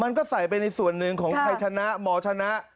มันก็ใส่ไปในส่วนหนึ่งของใครชนะหมอชนะ